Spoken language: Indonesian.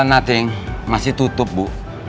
nothing masih tutup bu